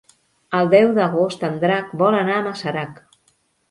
El deu d'agost en Drac vol anar a Masarac.